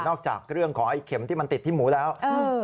จากเรื่องของไอ้เข็มที่มันติดที่หมูแล้ว